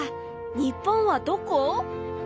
日本はどこ？